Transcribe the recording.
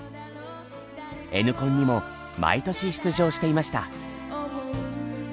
Ｎコンにも毎年出場していました。